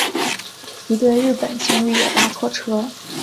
一对日本情侣也搭错车